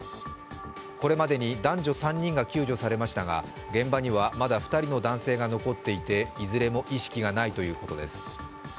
これまでに男女３人が救助されましたが現場にはまだ２人の男性が残っていて、いずれも意識がないということです。